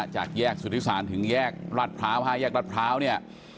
จากแยกสุธิศาลถึงแยกราชพร้าว๕แยกรัฐพร้าวเนี่ย